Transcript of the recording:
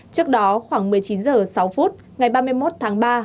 trước đó khoảng một mươi chín h sáu ngày ba mươi một tháng năm